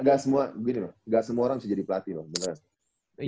gak semua begini loh gak semua orang bisa jadi pelatih loh